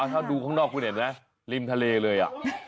ถ้าดูข้างนอกคุณเห็นไหมริมทะเลเลย